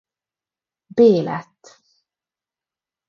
B lett.